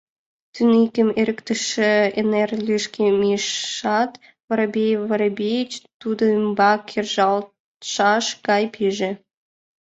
Тӱньыкым эрыктыше эҥер лишке мийышат, Воробей Воробеич тудын ӱмбак кержалтшаш гай пиже.